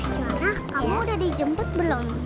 celana kamu udah dijemput belum